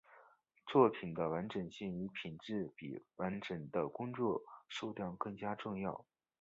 作品的完面性和品质比完成的工作数量更加重要。